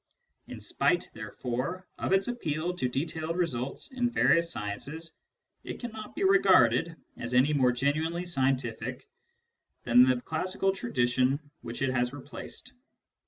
In spite, therefore, of its appeal to detailed results in various sciences, it cannot be regarded as any more genuinely scientific than the classical tradition which it has replaced.